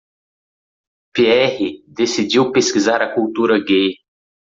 Pierre decidiu pesquisar a cultura gay.